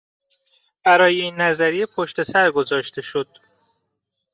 برای این نظریه پشت سر گذاشته شد